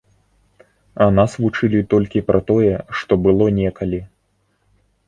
А нас вучылі толькі пра тое, што было некалі.